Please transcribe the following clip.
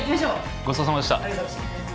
ごちそうさまでした。